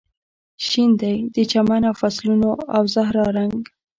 شین دی د چمن او فصلونو او زهرا رنګ